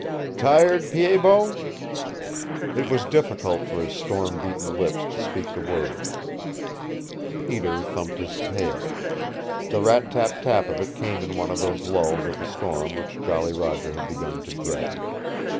"Tired, Pied Bot?" It was difficult for his storm beaten lips to speak the words. Peter thumped his tail. The rat tap tap of it came in one of those lulls of the storm which Jolly Roger had begun to dread.